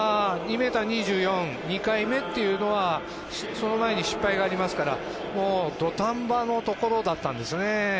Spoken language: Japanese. ２ｍ２４、２回目というのはその前に失敗がありますから土壇場のところだったんですね。